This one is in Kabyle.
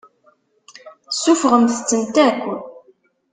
Suffɣemt-tent akk.